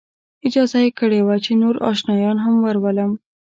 اجازه یې کړې وه چې نور آشنایان هم ورولم.